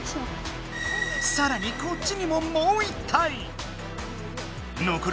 さらにこっちにももう１体。